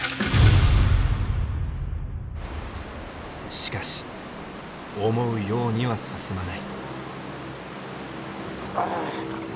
しかし思うようには進まない。